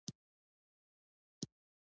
آیا چیله کول د انګورو حاصل زیاتوي؟